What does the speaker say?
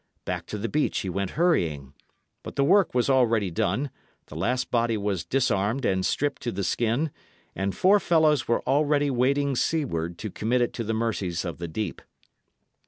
Back to the beach he went hurrying. But the work was already done; the last body was disarmed and stripped to the skin, and four fellows were already wading seaward to commit it to the mercies of the deep.